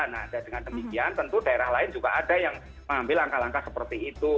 nah dengan demikian tentu daerah lain juga ada yang mengambil langkah langkah seperti itu